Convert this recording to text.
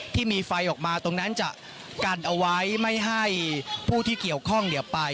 ที่มีไฟออกมาตรงนั้นจะกันเอาไว้ไม่ให้ผู้ที่เกี่ยวข้องไป